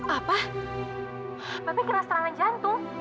apa mbak be kena serangan jantung